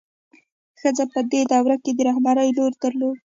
ښځه په دې دوره کې د رهبرۍ رول درلود.